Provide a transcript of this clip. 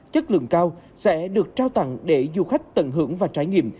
chất lượng cao sẽ được trao tặng để du khách tận hưởng và trải nghiệm